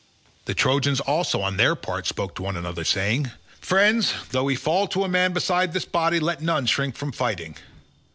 The Trojans also on their part spoke to one another saying, "Friends, though we fall to a man beside this body, let none shrink from fighting."